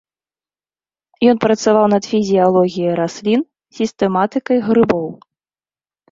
Ён працаваў над фізіялогіяй раслін, сістэматыкай грыбоў.